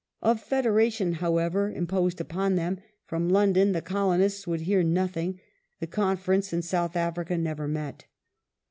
Of federation, however,; imposed upon them from London, the colonists would hear nothing. The Conference in South Africa never met.